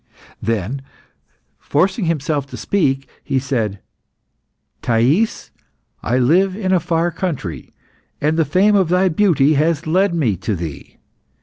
Then, forcing himself to speak, he said "Thais, I live in a far country, and the fame of thy beauty has led me to thee.